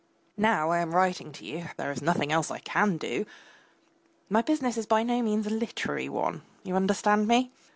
Now I am writing to you (there is nothing else I can do). My business is by no means a literary one (you understand me?)